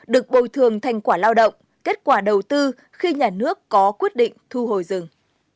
được bồi thường thành quả lao động kết quả đầu tư khi nhà nước có quyết định thu hồi rừng